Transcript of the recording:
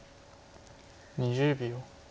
２０秒。